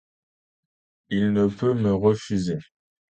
Il ne peut me refuser.